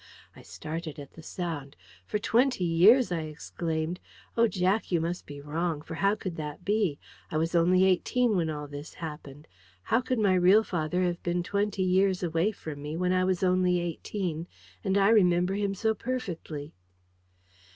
I started at the sound. "For twenty years!" I exclaimed. "Oh, Jack, you must be wrong; for how could that be? I was only eighteen when all this happened. How could my real father have been twenty years away from me, when I was only eighteen, and I remember him so perfectly?"